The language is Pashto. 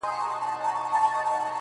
نور ئې نور، عثمان ته هم غورځېدی.